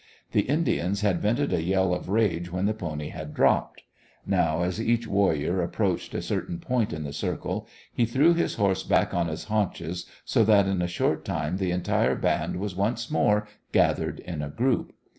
The Indians had vented a yell of rage when the pony had dropped. Now as each warrior approached a certain point in the circle, he threw his horse back on its haunches, so that in a short time the entire band was once more gathered in a group.